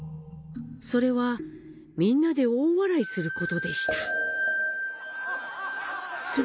それはみんなで大笑いすることでした。